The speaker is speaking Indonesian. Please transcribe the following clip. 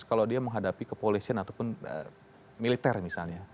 kalau dia menghadapi kepolisian ataupun militer misalnya